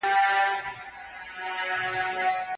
زما خور هم راځي.